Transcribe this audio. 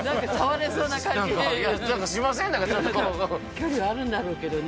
距離はあるんだろうけどね。